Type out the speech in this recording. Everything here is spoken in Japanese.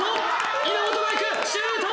稲本がいくシュート！